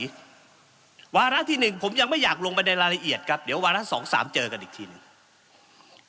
หวาระที่๑ผมยังไม่อยากลงมาในรายละเอียดครับเดี๋ยวหวาระ๒๓เจอกันอีกทีนึง